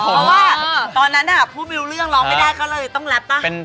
เพราะว่าตอนนั้นพูดไม่รู้เรื่องร้องไม่ได้เขาเลยต้องแรป่ะ